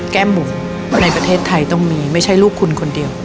แก้มบุตรในประเทศไทยต้องมีไม่ใช่ลูกคุณคนเดียว